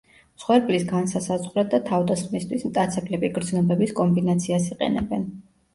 მსხვერპლის განსასაზღვრად და თავდასხმისთვის მტაცებლები გრძნობების კომბინაციას იყენებენ.